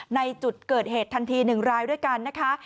ในจุดเกิดเหตุทันที๑รายด้วยกันนะคะ